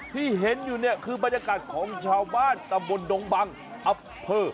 ที่เห็นอยู่เนี่ยคือบรรยากาศของชาวบ้านตำบลดงบังอำเภอ